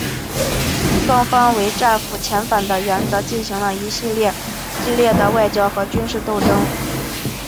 双方为战俘遣返的原则进行了一系列激烈的外交和军事斗争。